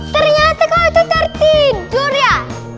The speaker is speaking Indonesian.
ternyata kau tertidur ya